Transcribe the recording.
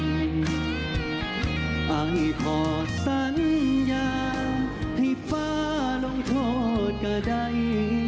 ไปขอสัญญาให้ฟ้าลงโทษก็ได้